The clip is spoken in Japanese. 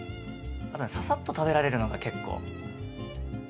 あとねささっと食べられるのが結構。